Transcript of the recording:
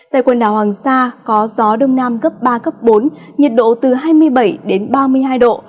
tại quần đảo hoàng sa có gió đông nam cấp ba cấp bốn nhiệt độ từ hai mươi bảy đến ba mươi hai độ